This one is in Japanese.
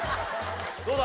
どうだ？